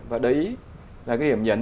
và đấy là cái điểm nhấn